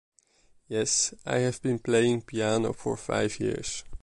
Yes, I’ve been playing piano for five years.